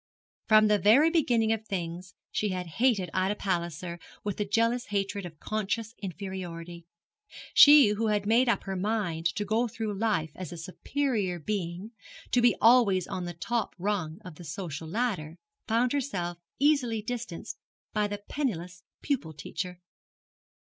From the very beginning of things she had hated Ida Palliser with the jealous hatred of conscious inferiority. She who had made up her mind to go through life as a superior being, to be always on the top rung of the social ladder, found herself easily distanced by the penniless pupil teacher.